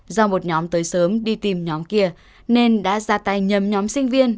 do một nhóm tới sớm đi tìm nhóm kia nên đã ra tay nhầm nhóm sinh viên